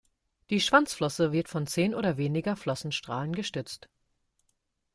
Die Schwanzflosse wird von zehn oder weniger Flossenstrahlen gestützt.